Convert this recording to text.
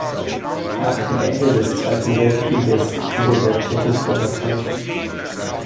Nach dem Ende des Zweiten Weltkrieges wider der Tschechoslowakei.